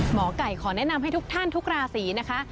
หมอไก่ขอแนะนำให้ทุกท่านทุกราศีนะคะ